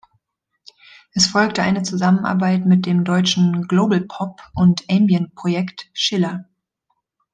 Es folgte eine Zusammenarbeit mit dem deutschen Global-Pop- und Ambient-Projekt Schiller.